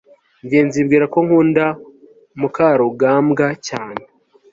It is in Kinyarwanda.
ngenzi yibwira ko nkunda mukarugambwa cyane